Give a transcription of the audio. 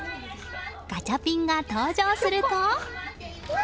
ガチャピンが登場すると。